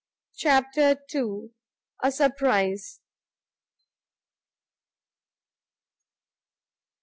CHAPTER ii. A SURPRIZE.